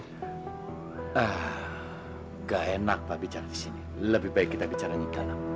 nggak enak pak bicara di sini lebih baik kita bicara di tanah